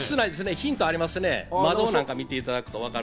ヒントありますね。